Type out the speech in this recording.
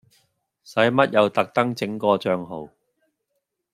使乜又特登整個帳號